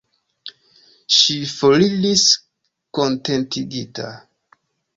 Ŝi foriris kontentigita.